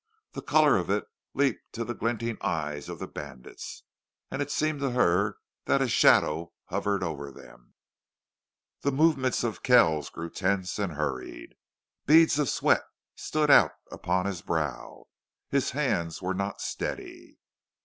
The color of it leaped to the glinting eyes of the bandits. And it seemed to her that a shadow hovered over them. The movements of Kells grew tense and hurried. Beads of sweat stood out upon his brow. His hands were not steady.